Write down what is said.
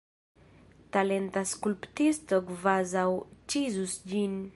Talenta skulptisto kvazaŭ ĉizus ĝin.